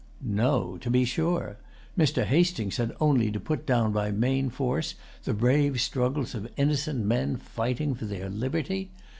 No, to be sure. Mr. Hastings had only to put down by main force the brave struggles of innocent men fighting for their liberty.